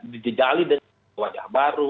dijali dengan wajah baru